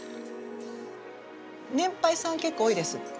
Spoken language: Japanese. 年配さん結構多いです。